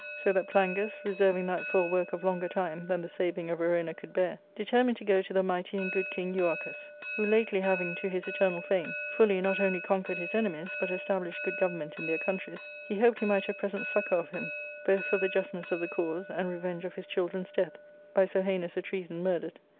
So that Plangus, reserving that for a work of longer time than the saving of Erona could bear, determined to go to the mighty and good king Euarchus, who lately having, to his eternal fame, fully not only conquered his enemies, but established good government in their countries, e hoped he might have present succour of him, both for the justness of the cause, and revenge of his children's death, by .so heinous a treason murdered.